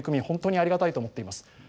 本当にありがたいと思っています。